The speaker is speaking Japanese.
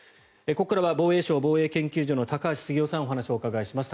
ここからは防衛省防衛研究所の高橋杉雄さんにお話を伺います。